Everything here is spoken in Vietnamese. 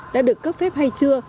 đã được cấp phép hay chưa